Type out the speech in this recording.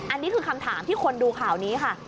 อันนี้คือคำถามที่คนดูข่าวนี้ค่ะ